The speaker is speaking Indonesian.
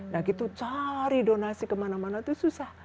nah gitu cari donasi kemana mana itu susah